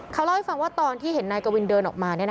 เขาเล่าให้ฟังว่าตอนที่เห็นนายกวินเดินออกมา